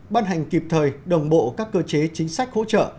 ban hành kịp thời đồng bộ các cơ chế chính sách hỗ trợ